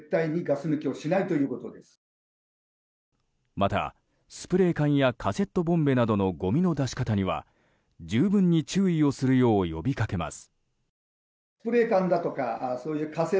またスプレー缶やカセットボンベなどのごみの出し方には、十分に注意をするよう呼びかけます。